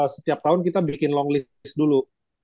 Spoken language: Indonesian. setiap tahun kita bikin long list dulu